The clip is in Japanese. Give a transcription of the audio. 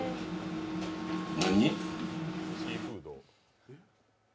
何？